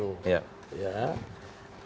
sekarang pertanyaan saya kepada bang ressa